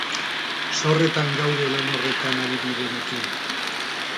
Zorretan gaude lan horretan ari direnekin.